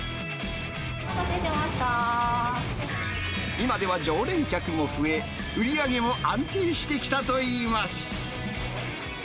今では常連客も増え、売り上げも安定してきたといいます。